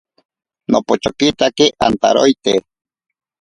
Nopochokitake antaroite.